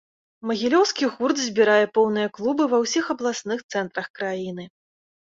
Магілёўскі гурт збірае поўныя клубы ва ўсіх абласных цэнтрах краіны.